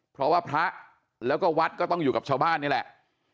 เพราะว่าพระแล้วก็วัดก็ต้องอยู่กับชาวบ้านนี่แหละ